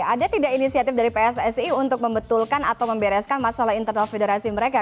ada tidak inisiatif dari pssi untuk membetulkan atau membereskan masalah internal federasi mereka